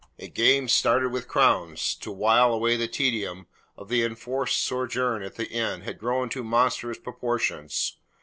A game started with crowns to while away the tedium of the enforced sojourn at the inn had grown to monstrous proportions.